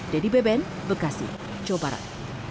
dedy beben bekasi jawa barat